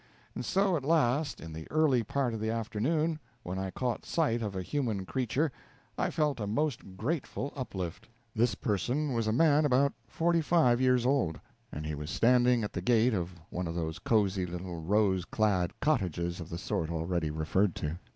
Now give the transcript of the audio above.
And so, at last, in the early part of the afternoon, when I caught sight of a human creature, I felt a most grateful uplift. This person was a man about forty five years old, and he was standing at the gate of one of those cozy little rose clad cottages of the sort already referred to.